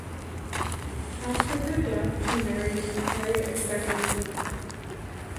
After her death, he married Harriet Rebecca Meek.